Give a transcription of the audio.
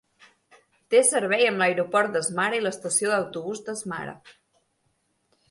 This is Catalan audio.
Té servei amb l'aeroport de Smara i l'estació d'autobusos de Smara.